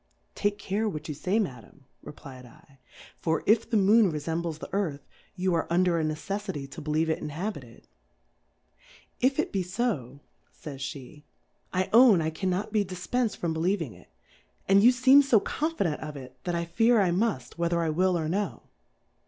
Take care what you fay, Madam, reflfd /, for if the Moon refembles the Earth, you are under a neceffity to believe it inhabited. If it be fo, fays pe^ I own I cannot be dif pensM from believing it ; and you feem fo confident of it, that I fear I muft, w^hether I will or no.